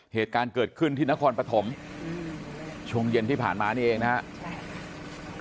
เหตุการณ์เกิดขึ้นที่นครปฐมช่วงเย็นที่ผ่านมานี่เองนะครับ